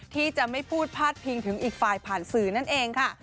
ที่จะไม่พูดพาดพิงถึงอีกฝ่ายผ่านสื่อนั่นเองค่ะ